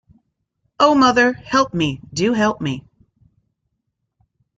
O mother, help me, do help me!